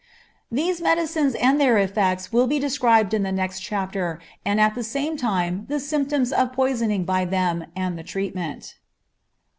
These medicines and their effects will be described in the next chapter, and at the same time the symptoms of poisoning by them, and the treatment.